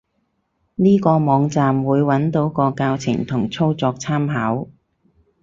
呢個網站，會揾到個教程同操作參考